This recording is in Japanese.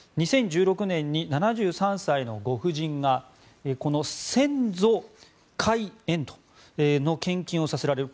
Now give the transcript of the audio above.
２０１６年に７３歳のご婦人が先祖解怨の献金をさせられる。